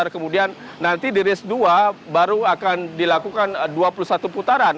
kemudian nanti di race dua baru akan dilakukan dua puluh satu putaran